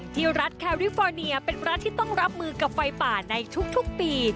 ที่รัฐแคริฟอร์เนียเป็นรัฐที่ต้องรับมือกับไฟป่าในทุกปี